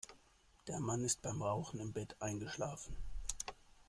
Der Mann ist beim Rauchen im Bett eingeschlafen.